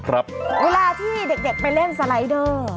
เวลาที่เด็กไปเล่นสไลเดอร์